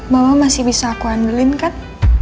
mama masih bisa aku ambilin kan